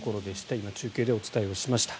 今、中継でお伝えしました。